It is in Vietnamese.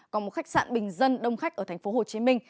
còn một khách sạn bình dân đông khách ở tp hcm